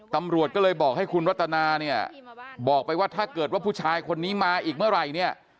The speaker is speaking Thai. ตำรวจก็เลยบอกให้คุณรัตนาเนี่ยบอกไปว่าถ้าเกิดว่าผู้ชายคนนี้มาอีกเมื่อไหร่เนี่ย